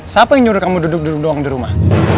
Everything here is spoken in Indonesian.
siapa yang nyuruh kamu duduk duduk doang di rumah